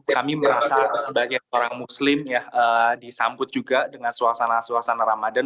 kami merasa sebagai orang muslim ya disambut juga dengan suasana suasana ramadan